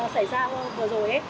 xảy ra vừa rồi